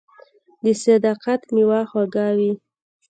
• د صداقت میوه خوږه وي.